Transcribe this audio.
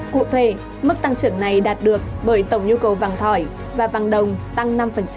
cụ thể mức tăng trưởng này đạt được bởi tổng nhu cầu vàng thỏi và vàng đồng tăng năm